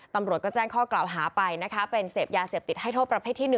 ตำรวจก็แจ้งข้อกล่าวหาไปนะคะเป็นเสพยาเสพติดให้โทษประเภทที่๑